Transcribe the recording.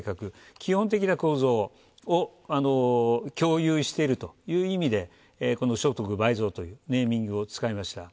基本的な構造を共有しているという意味でこの「所得倍増」というネーミングを使いました。